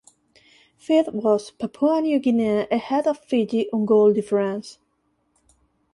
Fifth was Papua New Guinea ahead of Fiji on goal difference